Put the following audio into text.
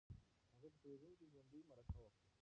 هغې په تلویزیون کې ژوندۍ مرکه وکړه.